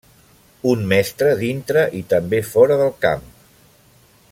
Un mestre dintre i també fora del camp.